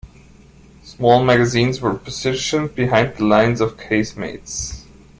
Small magazines were positioned behind the lines of casemates.